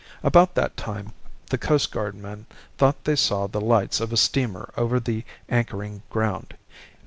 "About that time the Coastguardmen thought they saw the lights of a steamer over the anchoring ground.